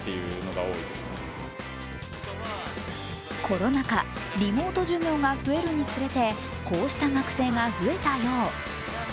コロナ禍、リモート授業が増えるにつれてこうした学生が増えたよう。